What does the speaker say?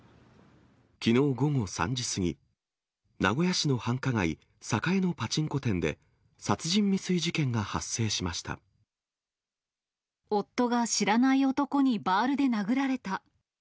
きのう午後３時過ぎ、名古屋市の繁華街、栄のパチンコ店で、夫が知らない男にバールで殴られた。